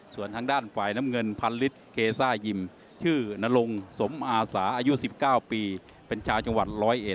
ส่วนทางด้านฝ่ายน้ำเงินพันลิศเกซ่ายิมชื่อนรงสมอาสาอายุ๑๙ปีเป็นชาวจังหวัด๑๐๑